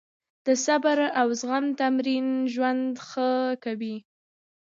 د صبر او زغم تمرین ژوند ښه کوي.